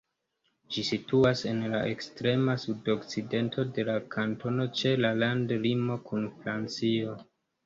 Ĝi situas en la ekstrema sudokcidento de la kantono ĉe la landlimo kun Francio.